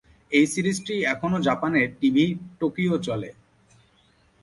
এই সিরিজটি এখনো জাপানের টিভি-টোকিও চলে।